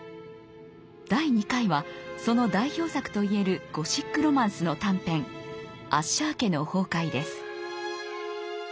第２回はその代表作といえるゴシック・ロマンスの短編「アッシャー家の崩壊」です。